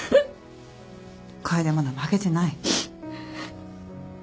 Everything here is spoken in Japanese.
楓はまだ負けてない。